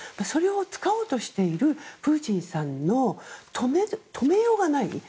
それを使おうとしているプーチンさんの止めようがない。